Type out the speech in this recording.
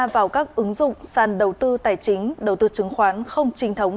vào các ứng dụng sàn đầu tư tài chính đầu tư chứng khoán không trinh thống